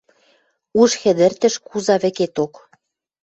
Уж хӹдӹртӹш куза вӹкеток.